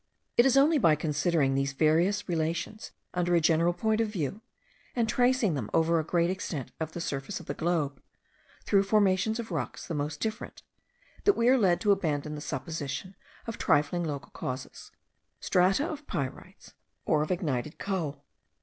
It is only by considering these various relations under a general point of view, and tracing them over a great extent of the surface of the globe, through formations of rocks the most different, that we are led to abandon the supposition of trifling local causes, strata of pyrites, or of ignited coal.